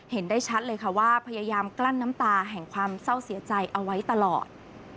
เห็นได้ชัดเลยค่ะว่าพยายามกลั้นน้ำตาแห่งความเศร้าเสียใจเอาไว้ตลอด